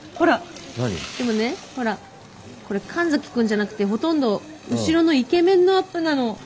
でもねほらこれ神崎君じゃなくてほとんど後ろのイケメンのアップなの。